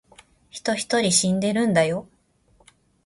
人一人死んでるんだよ